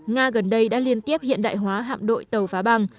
nga gần đây đã liên tiếp hiện đại hóa hạm đội tàu phá băng